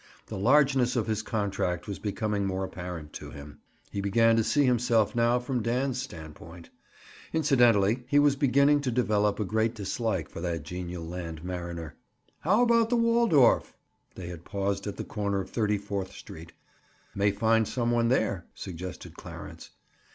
The largeness of his contract was becoming more apparent to him. He began to see himself now from Dan's standpoint. Incidentally, he was beginning to develop a great dislike for that genial land mariner. "How about the Waldorf?" They had paused at the corner of Thirty fourth Street. "May find some one there," suggested Clarence.